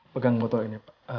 pegang botol ini pak